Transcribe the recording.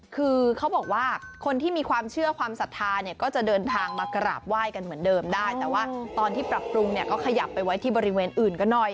คือเขาบอกว่าคนที่มีความเชื่อความศรัทธาเนี่ยก็จะเดินทางมากราบไหว้กันเหมือนเดิมได้แต่ว่าตอนที่ปรับปรุงเนี่ยก็ขยับไปไว้ที่บริเวณอื่นก็หน่อย